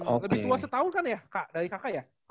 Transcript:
lebih tua setahun kan ya kak dari kakak ya